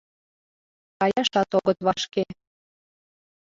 Каяшат огыт вашке.